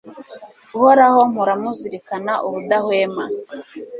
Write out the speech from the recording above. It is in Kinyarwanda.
uhoraho mpora muzirikana ubudahwema